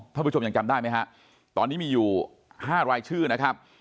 ท่านผู้ชมยังจำได้ไหมฮะตอนนี้มีอยู่๕รายชื่อนะครับ